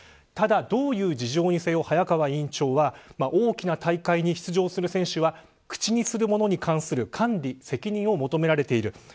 ただ、どういう事情にせよ早川委員長は大きな大会に出場する選手は口にするものに関する管理、責任を求められている。